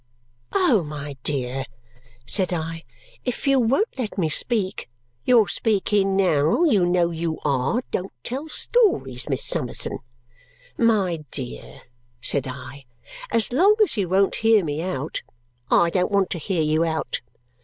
"Oh, my dear!" said I. "If you won't let me speak " "You're speaking now. You know you are. Don't tell stories, Miss Summerson." "My dear," said I, "as long as you won't hear me out " "I don't want to hear you out."